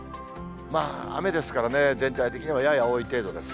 雨ですからね、全体的にはやや多い程度です。